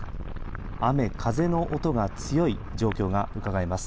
雨風の音が強い状況がうかがえます。